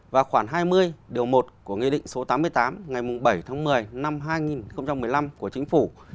và khoảng hai mươi điều một của nghị định số tám mươi tám ngày bảy tháng một mươi năm hai nghìn một mươi năm của chính phủ